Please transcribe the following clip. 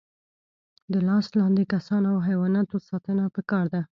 د لاس لاندې کسانو او حیواناتو ساتنه پکار ده.